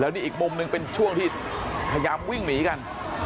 นี่อีกมุมหนึ่งเป็นช่วงที่พยายามวิ่งหนีกัน